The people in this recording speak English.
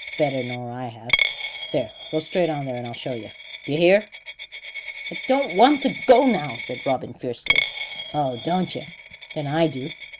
Better nor I have. There, go straight on there, and I'll show yer. D'yer hear?" "I don't want to go now," said Robin fiercely. "Oh, don't yer? Then I do.